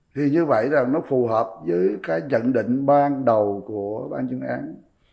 thì như vậy là nó phù hợp với cái nhận định ban đầu của ban chứng án